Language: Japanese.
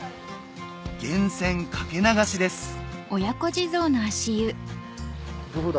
源泉掛け流しですどうだ？